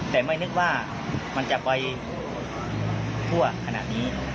แต่ไม่นึกว่ามันจะไปทั่วขนาดนี้